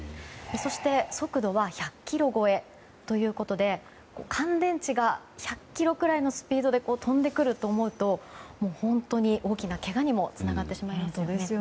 そして速度は１００キロ超えということで乾電池が１００キロぐらいのスピードで飛んでくると思うと本当に、大きなけがにもつながってしまいます。